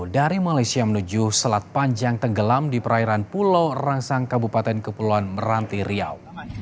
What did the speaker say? dari malaysia menuju selat panjang tenggelam di perairan pulau rangsang kabupaten kepulauan meranti riau